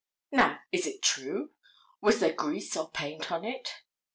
Now, is it true? Was there grease or paint on it?